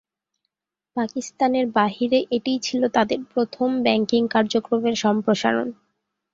পাকিস্তানের বাহিরে এটিই ছিলো তাদের প্রথম ব্যাংকিং কার্যক্রমের সম্প্রসারণ।